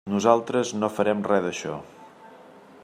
Nosaltres no farem res d'això.